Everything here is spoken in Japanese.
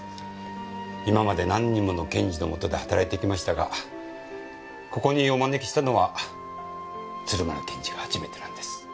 今まで何人もの検事のもとで働いてきましたがここにお招きしたのは鶴丸検事が初めてなんです。